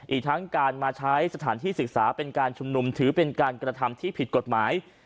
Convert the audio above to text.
อีกทั้งการมาใช้สถานที่ศึกษาเป็นการชุมนุมถือเป็นการกระทำที่ผิดกฎหมาย